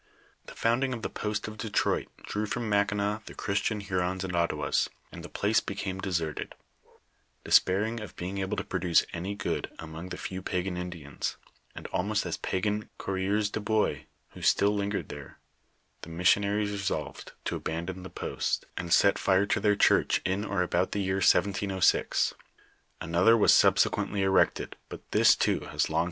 The founding of the post of Detroit drew from Mackinaw the Christian Hurons and Ottawas, and the place became deserted. Despairing of being able to produce any good among the few pagan Indians, and almost as pagan coureurs de bois who still lingered there, the missionaries re solved to abandon the post, and set fire to their church in or C C, \ Ti I lililliii > il I IP III : ii ^1 i!